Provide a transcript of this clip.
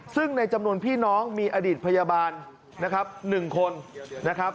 ซึ่งในจำนวนพี่น้องมีอดีตพยาบาล๑คน